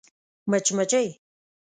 🐝 مچمچۍ